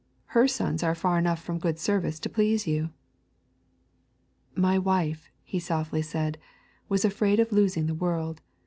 Her sons are far enough from good service to please you. 'My wife,' he softly said, 'was afraid of losing the world.